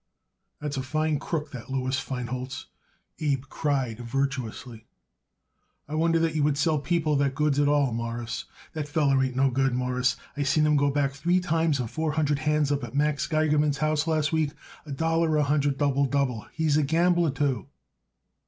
"That's a fine crook, that Louis Feinholz," Abe cried virtuously. "I wonder that you would sell people like that goods at all, Mawruss. That feller ain't no good, Mawruss. I seen him go back three times on four hundred hands up at Max Geigerman's house last week, a dollar a hundred double double. He's a gambler, too."